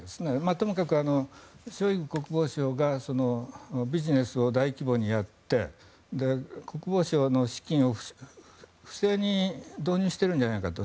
ともかく、ショイグ国防相がビジネスを大規模にやって国防省の資金を不正に導入してるんじゃないかと。